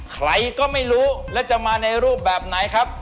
ใครก็ไม่รู้แล้วจะมาในรูปแบบไหนครับ